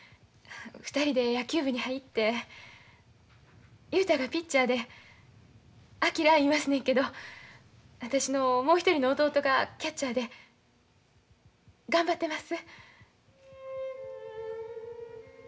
２人で野球部に入って雄太がピッチャーで昭いいますねんけど私のもう一人の弟がキャッチャーで頑張ってます。